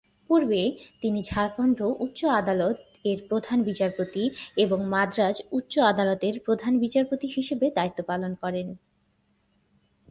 পূর্বে, তিনি ঝাড়খন্ড উচ্চ আদালত-এর প্রধান বিচারপতি এবং মাদ্রাজ উচ্চ আদালত-এর প্রধান বিচারপতি হিসেবে দায়িত্ব পালন করেন।